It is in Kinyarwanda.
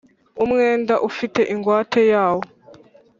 umwenda ufite ingwate yawo